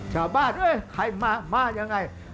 ข้าวบ้านเคยมามายังไง